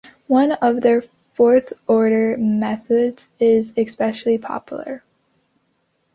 One of their fourth-order methods is especially popular.